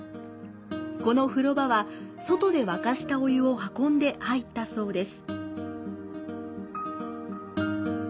この風呂場は、外で沸かしたお湯を運んで入ったそうです。